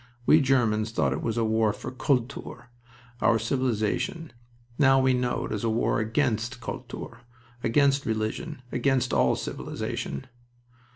We Germans thought it was a war for Kultur our civilization. Now we know it is a war against Kultur, against religion, against all civilization."